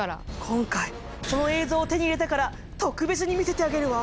今回その映像を手に入れたから特別に見せてあげるわ。